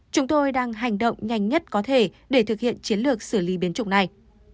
chúng tôi đang hành động nhanh nhất có thể để thực hiện chiến lược xử lý biến chủng này